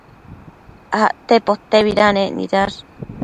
Acte potebidanec nidash